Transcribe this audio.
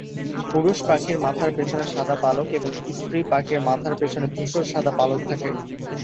পুরুষ পাখির মাথার পেছনে সাদা পালক এবং স্ত্রী পাখির মাথার পেছনে ধূসর সাদা পালক থাকে।